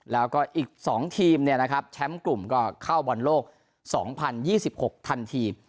แล้วก็อีก๒ทีมแชมป์กลุ่มก็เข้าบอลโลก๒๐๒๖ทันที